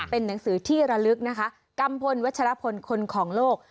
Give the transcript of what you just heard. เป็นหนังสือที่ระลึกนะคะกัมพลวัชรพลคนของโลก